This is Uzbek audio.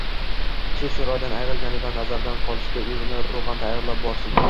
kishi chiroyidan ayrilganida nazardan qolishga o‘zini ruhan tayyorlab borsin.